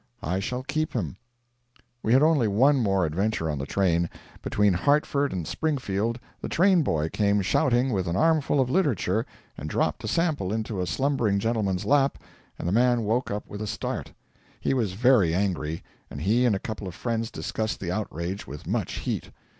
I shall keep him.' We had only one more adventure on the train. Between Hartford and Springfield the train boy came shouting with an armful of literature, and dropped a sample into a slumbering gentleman's lap, and the man woke up with a start. He was very angry, and he and a couple of friends discussed the outrage with much heat.